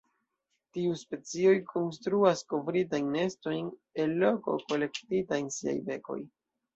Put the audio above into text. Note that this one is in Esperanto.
Tiuj specioj konstruas kovritajn nestojn el koto kolektita en siaj bekoj.